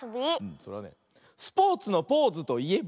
それはね「スポーツのポーズといえば？」。